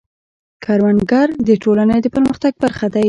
کروندګر د ټولنې د پرمختګ برخه دی